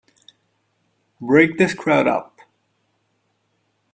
Break this crowd up!